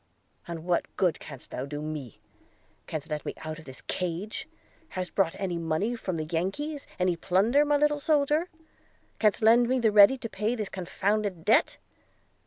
"And what good canst do me? Canst let me out of this cage? Hast brought any money from the Yankies? any plunder, my little soldier? Canst lend me the ready to pay this confounded debt?'